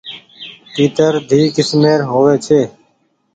تيترۮي ڪسمير هووي ڇي۔